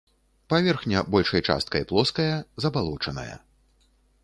Паверхня большай часткай плоская, забалочаная.